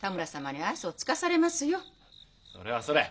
それはそれ。